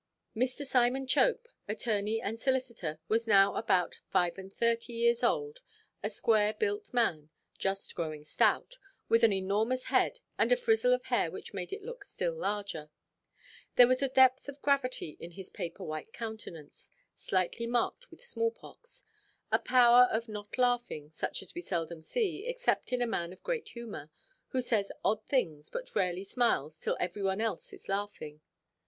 Mr. Simon Chope, attorney and solicitor, was now about five–and–thirty years old, a square–built man, just growing stout, with an enormous head, and a frizzle of hair which made it look still larger. There was a depth of gravity in his paper–white countenance—slightly marked with small–pox—a power of not laughing, such as we seldom see, except in a man of great humour, who says odd things, but rarely smiles till every one else is laughing.